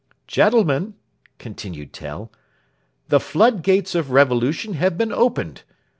"Gentlemen," continued Tell, "the floodgates of revolution have been opened.